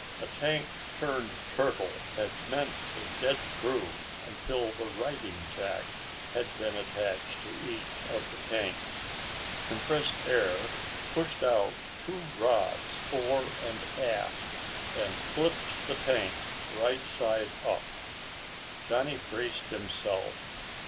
A tank turned turtle had meant a dead crew until the righting jack had been attached to each of the tanks. Compressed air pushed out two rods fore and aft and flipped the tank right side up. Johnny braced himself.